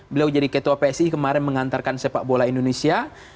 beliau jadi ketua psi kemarin mengantarkan sepak bola indonesia